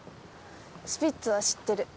スピッツは知ってる。